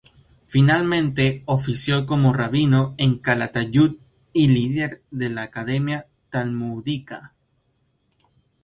Finalmente ofició como rabino en Calatayud y líder de la academia talmúdica.